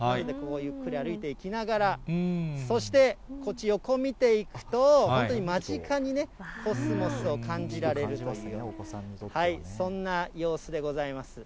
ゆっくり歩いていきながら、そしてこっち、横見ていくと、本当に間近にね、コスモスを感じられる、そんな様子でございます。